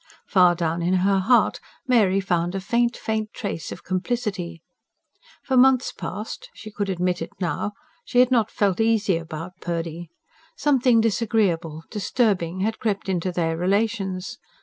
Far down in her heart Mary found a faint, faint trace of complicity. For months past she could admit it now she had not felt easy about Purdy. Something disagreeable, disturbing, had crept into their relations.